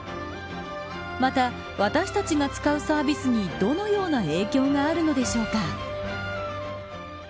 また、私たちが使うサービスにどのような影響があるのでしょうか。